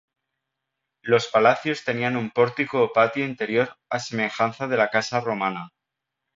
Los palacios tenían un pórtico o patio interior a semejanza de la casa romana.